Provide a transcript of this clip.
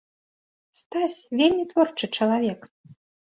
Стась вельмі творчы чалавек.